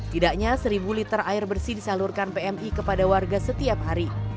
tidaknya seribu liter air bersih disalurkan pmi kepada warga setiap hari